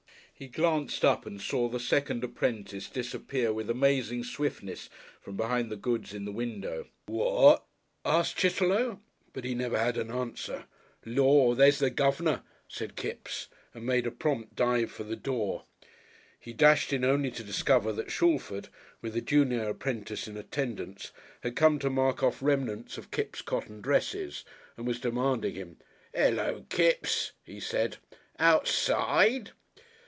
He glanced up and saw the second apprentice disappear with amazing swiftness from behind the goods in the window. "What?" asked Chitterlow, but he never had an answer. "Lor'! There's the guv'nor!" said Kipps, and made a prompt dive for the door. He dashed in only to discover that Shalford, with the junior apprentice in attendance, had come to mark off remnants of Kipps' cotton dresses and was demanding him. "Hullo, Kipps," he said, "outside